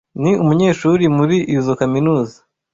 Ni umunyeshuri muri izoi kaminuza.